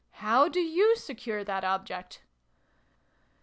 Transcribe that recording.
<( How do you secure that object